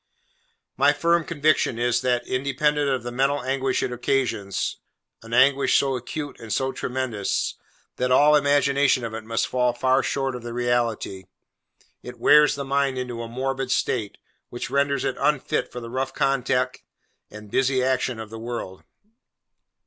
My firm conviction is that, independent of the mental anguish it occasions—an anguish so acute and so tremendous, that all imagination of it must fall far short of the reality—it wears the mind into a morbid state, which renders it unfit for the rough contact and busy action of the world.